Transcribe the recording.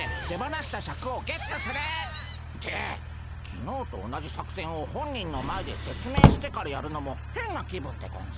きのうと同じ作戦を本人の前で説明してからやるのもへんな気分でゴンス。